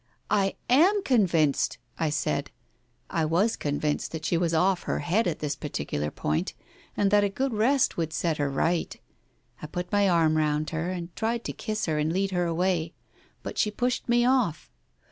..." "I am convinced," I said. I was convinced that she was off her head on this particular point, and that a good rest would set her right. I put my arm round her, and tried to kiss her and lead her away. But she pushed me off.